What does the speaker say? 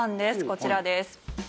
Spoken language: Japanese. こちらです。